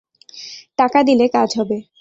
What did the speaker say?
টাকা দিলে কাজ হবে।